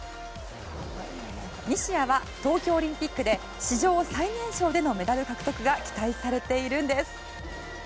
西矢は、東京オリンピックで史上最年少でのメダル獲得が期待されているんです。